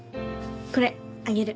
これあげる。